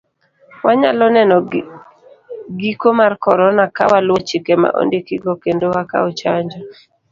Wanyalo neno giko mar korona kawaluwo chike ma ondiki go kendo wakawo chanjo .